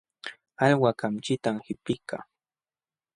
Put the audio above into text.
Alwa kamchitam qipiykaa.